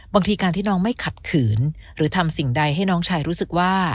บางทีการที่น้องไม่ขัดขืนหรือทำสิ่งใดให้น้องชายรู้สึกว่า